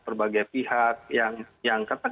berbagai pihak yang